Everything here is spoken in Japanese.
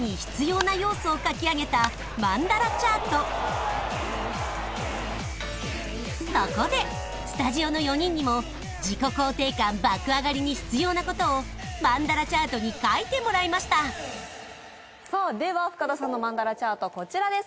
新しくなったそこでスタジオの４人にも自己肯定感爆上がりに必要なことをマンダラチャートに書いてもらいましたさあでは深田さんのマンダラチャートこちらです